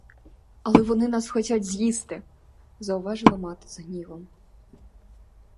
Але вони нас хотять з'їсти, — зауважила мати з гнівом.